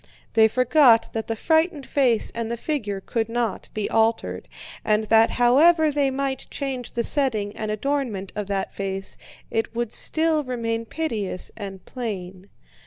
They forgot that the frightened face and the figure could not be altered, and that however they might change the setting and adornment of that face, it would still remain piteous and plain.